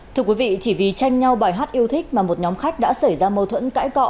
thưa quý vị chỉ vì tranh nhau bài hát yêu thích mà một nhóm khách đã xảy ra mâu thuẫn cãi cọ